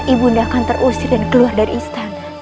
ibunda akan terusir dan keluar dari istana